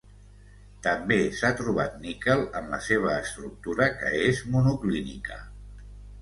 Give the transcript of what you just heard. També s'ha trobat níquel en la seva estructura que és monoclínica.